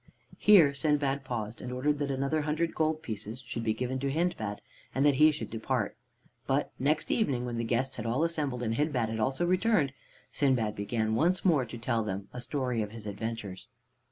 Here Sindbad paused, and ordered that another hundred gold pieces should be given to Hindbad, and that he should depart. But next evening when the guests had all assembled and Hindbad had also returned, Sindbad began once more to tell them a story of his adventures.